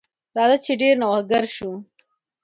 راځه چې ډیر نوښتګر شو.